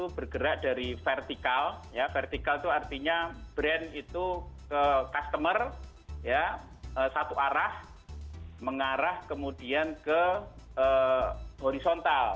itu bergerak dari vertikal ya vertikal itu artinya brand itu ke customer satu arah mengarah kemudian ke horizontal